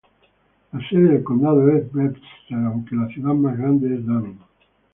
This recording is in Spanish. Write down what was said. La sede del condado es Brewster aunque la ciudad más grande es Dunning.